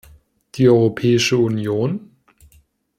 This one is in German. Die Europäische Union?